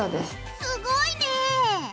すごいね。